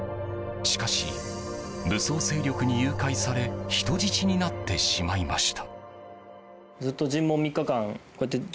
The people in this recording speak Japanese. しかし、武装勢力に誘拐され人質になってしまいました。